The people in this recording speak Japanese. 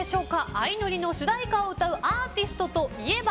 「あいのり」の主題歌を歌うアーティストといえば？